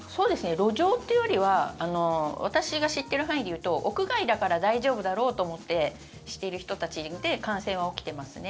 路上というよりは私が知ってる範囲で言うと屋外だから大丈夫だろうと思ってしてる人たちがいて感染が起きてますね。